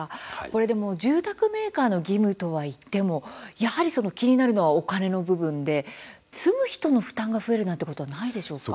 これでも住宅メーカーの義務とはいっても、やはり気になるのはお金の部分で住む人の負担が増えるなんてことはないでしょうか？